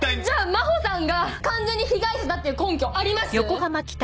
じゃあ真帆さんが完全に被害者だっていう根拠あります